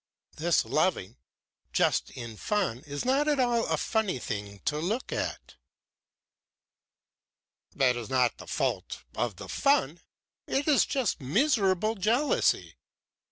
"This loving just in fun is not at all a funny thing to look at." "That is not the fault of the fun it is just miserable jealousy.